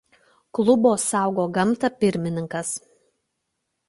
Klubo „Saugok gamtą“ pirmininkas.